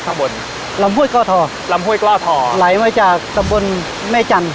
ข้างบนลำห้วยกล้อทอลำห้วยกล้อทอไหลมาจากตำบลแม่จันทร์